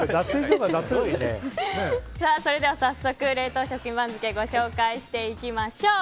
それでは、早速、冷凍食品番付をご紹介していきましょう。